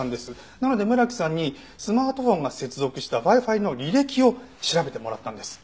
なので村木さんにスマートフォンが接続したＷｉ−Ｆｉの履歴を調べてもらったんです。